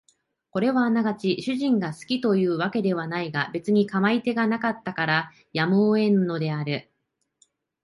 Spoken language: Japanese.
これはあながち主人が好きという訳ではないが別に構い手がなかったからやむを得んのである